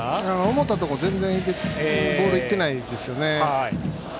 思ったところに全然ボールが行ってないですね。